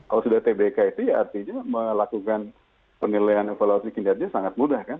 kalau sudah tbk itu ya artinya melakukan penilaian evaluasi kinerja sangat mudah kan